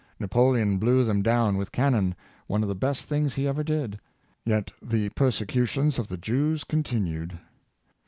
Na poleon blew them down with cannon, one of the best things he ever did; yet the persecutions of the Jews continued.